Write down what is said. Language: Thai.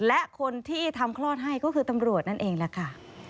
และคนที่ทำคลอดให้ก็คือตำรวจนั่นเองแหละค่ะ